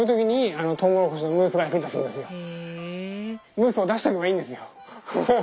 ムースを出しておけばいいんですよ。